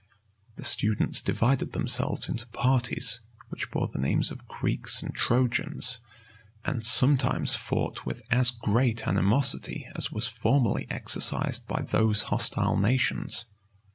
The students divided themselves into parties, which bore the names of Greeks and Trojans, and sometimes fought with as great animosity as was formerly exercised by those hostile nations.